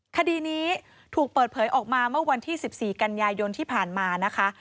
คดีนี้ถูกเปิดเผยออกมาเมื่อวันที่๑๔กันยายนที่ผ่านมานะคะ